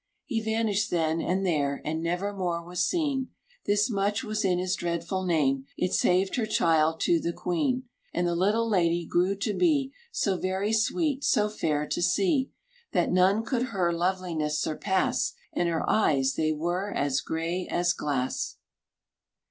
He vanished then and there, And never more was seen! This much was in his dreadful name It saved her child to the queen. And the little lady grew to be So very sweet, so fair to see, That none could her loveliness surpass; And her eyes they were as gray as glass!